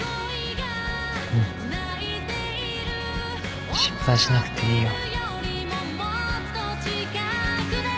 うん心配しなくていいよ。